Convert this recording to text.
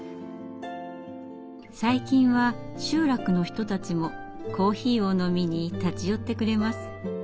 最近は集落の人たちもコーヒーを飲みに立ち寄ってくれます。